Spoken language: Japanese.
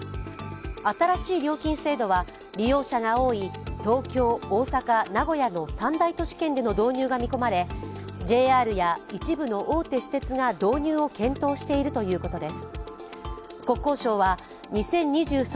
新しい料金制度は、利用者が多い東京・大阪・名古屋の三大都市圏での導入が見込まれ、ＪＲや一部の大手私鉄が導入を検討しているということです。